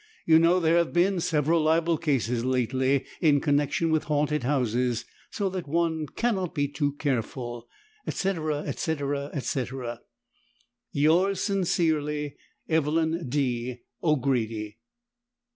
You know there have been several libel cases lately, in connection with haunted houses so that one cannot be too careful. &c. &c. &c. Yours sincerely, EVELYN D. O'GRADY.